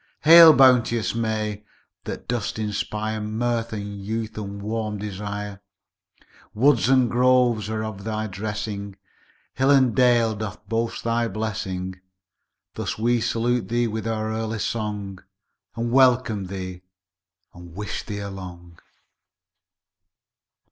Hail bounteous May that dost inspire Mirth and youth, and warm desire, Woods and Groves, are of thy dressing, Hill and Dale, doth boast thy blessing. Thus we salute thee with our early Song, And welcome thee, and wish thee long.